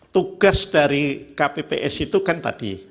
tugas dari kpps itu kan tadi